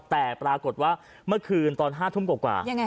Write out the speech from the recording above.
แต่ปรากฏว่าเมื่อคืนตอน๕ทุ่มกว่า